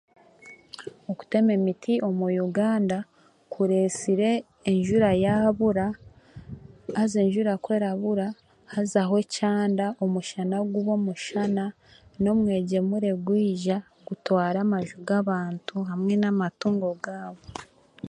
Okutema emiti omu Uganda kureesire enjura yaabura, haza enjura kwekubura, hazaho ekyanda, omushana guba omushana, n'omwegyemure gwija gutwara amaju g'abantu hamwe n'amatungo gaabo